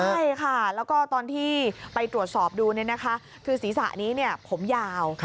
ใช่ค่ะแล้วก็ตอนที่ไปตรวจสอบดูเนี่ยนะคะคือศีรษะนี้เนี่ยผมยาว